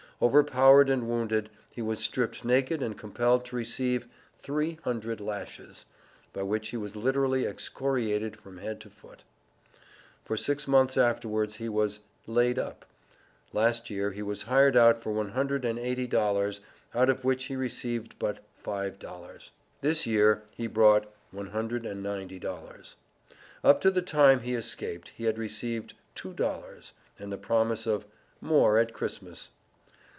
Overpowered and wounded, he was stripped naked and compelled to receive THREE HUNDRED LASHES, by which he was literally excoriated from head to foot. For six months afterwards he was "laid up." Last year he was hired out for "one hundred and eighty dollars," out of which he "received but five dollars." This year he brought "one hundred and ninety dollars." Up to the time he escaped, he had received "two dollars," and the promise of "more at Christmas."